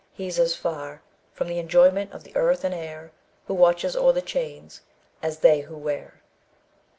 He's as far From the enjoyment of the earth and air Who watches o'er the chains, as they who wear."